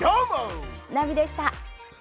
ナビでした。